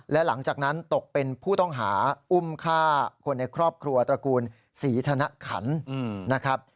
และหลังจากนั้นตกเป็นผู้ต้องหาอุ้มฆ่าคนในครอบครัวตระกูลศรีธนขันนะครับ